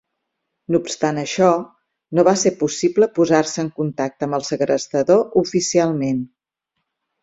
No obstant això, no va ser possible posar-se en contacte amb el segrestador oficialment.